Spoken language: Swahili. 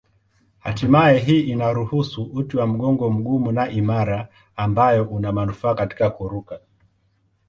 Hatimaye hii inaruhusu uti wa mgongo mgumu na imara ambayo una manufaa katika kuruka.